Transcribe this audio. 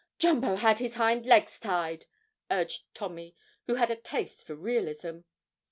'Jumbo had his hind legs tied,' urged Tommy, who had a taste for realism.